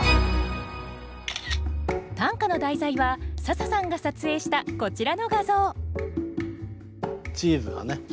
短歌の題材は笹さんが撮影したこちらの画像チーズがね